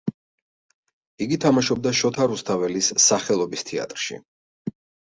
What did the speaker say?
იგი თამაშობდა შოთა რუსთაველის სახელობის თეატრში.